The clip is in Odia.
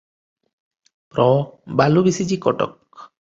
ପ୍ର ବାଲୁବିଶି ଜି କଟକ ।